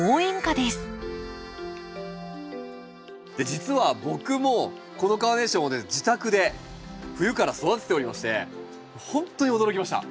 実は僕もこのカーネーションを自宅で冬から育てておりましてほんとに驚きました。